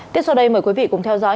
tiếp sau đây mời quý vị cùng theo dõi